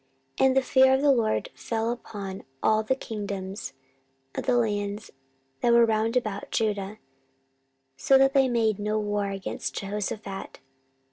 14:017:010 And the fear of the LORD fell upon all the kingdoms of the lands that were round about Judah, so that they made no war against Jehoshaphat.